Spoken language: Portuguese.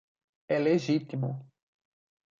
É legítimo